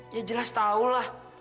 ya jelas tau lah